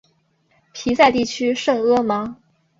皮赛地区圣阿芒。